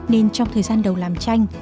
nên trong thời gian đầu làm tranh